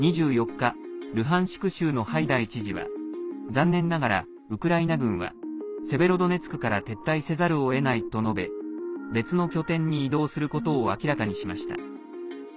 ２４日、ルハンシク州のハイダイ知事は残念ながら、ウクライナ軍はセベロドネツクから撤退せざるをえないと述べ別の拠点に移動することを明らかにしました。